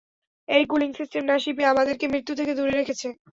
এই cooling system না শিপে আমাদেরকে মৃত্যু থেকে দূরে রেখেছে?